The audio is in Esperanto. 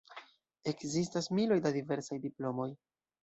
Ekzistas miloj da diversaj diplomoj.